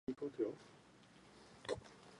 Po skončení vrcholové kariéry u sportu zůstal.